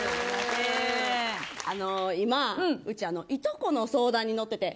今うちいとこの相談に乗っていて。